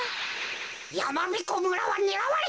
やまびこ村はねらわれている。